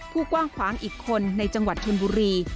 ผู้กว้างคว้างอีกคนในจังหวัดทุนบุรี